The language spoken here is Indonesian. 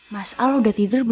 mas al udah tidur belum ya